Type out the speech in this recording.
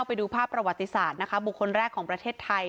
ไปดูภาพประวัติศาสตร์นะคะบุคคลแรกของประเทศไทย